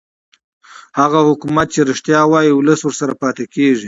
هغه حکومت چې رښتیا وايي ولس ورسره پاتې کېږي